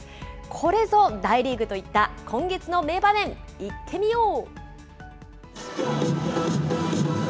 これぞ大リーグといった今月の名場面いってみよう。